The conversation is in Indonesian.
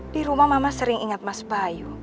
di rumah mama sering ingat mas bayu